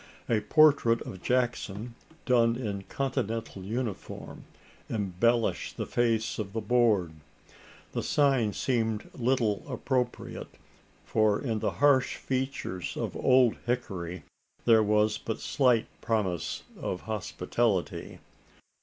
A portrait of Jackson, done in "continental uniform," embellished the face of the board. The sign seemed little appropriate: for in the harsh features of "Old Hickory" there was but slight promise of hospitality.